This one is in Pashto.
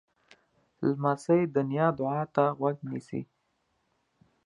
لمسی د نیا دعا ته غوږ نیسي.